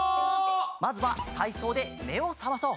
まずはたいそうでめをさまそう。